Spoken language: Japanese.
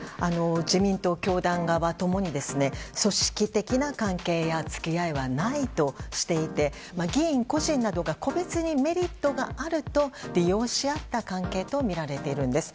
自民党、教団側共に組織的な関係や付き合いはないとしていて議員個人などが個別にメリットがあると利用し合った関係とみられているんです。